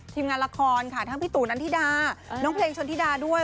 งานละครค่ะทั้งพี่ตู่นันทิดาน้องเพลงชนธิดาด้วย